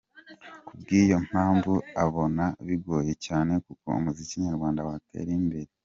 Kubw’iyo mpamvu abona bigoye cyane ko umuziki nyarwanda watera imbere.